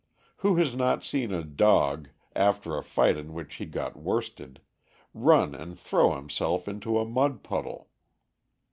Who has not seen a dog, after a fight in which he got worsted, run and throw himself into a mud puddle?